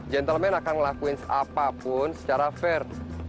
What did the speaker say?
gentleman akan ngelakuin apapun secara fair